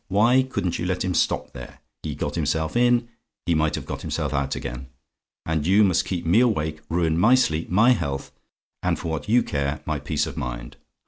Why couldn't you let him stop there? He got himself in; he might have got himself out again. And you must keep me awake, ruin my sleep, my health, and for what you care, my peace of mind.